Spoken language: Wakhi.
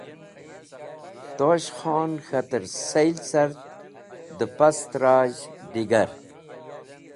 Tosh Khon k̃hater seyl cart da pastrazh digar.